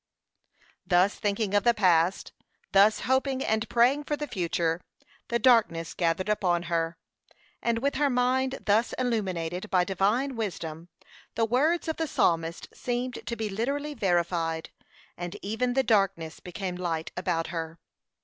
Thus thinking of the past, thus hoping and praying for the future, the darkness gathered upon her, and with her mind thus illuminated by divine wisdom, the words of the Psalmist seemed to be literally verified, and even the darkness became light about her.